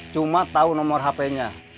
cuma tahu nomor hp nya